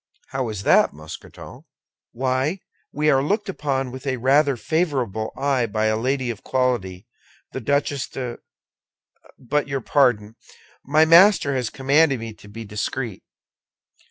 "How is that, Mousqueton?" "Why, we are looked upon with a rather favorable eye by a lady of quality, the Duchesse de—but, your pardon; my master has commanded me to be discreet.